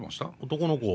男の子。